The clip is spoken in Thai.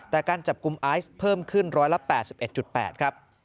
แต่การจับกลุ่มไอซ์เพิ่มขึ้น๑๘๑๘ครับ